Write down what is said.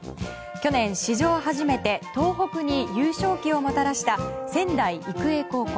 去年、史上初めて東北に優勝旗をもたらした仙台育英高校。